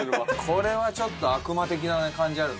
これはちょっと悪魔的な感じあるね。